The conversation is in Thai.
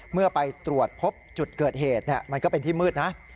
เมื่อไปตรวจพบจุดเกิดเหตุมันก็เป็นที่มืดนะ